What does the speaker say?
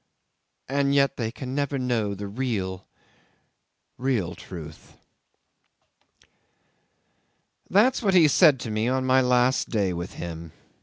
And yet they can never know the real, real truth ..." 'That's what he said to me on my last day with him.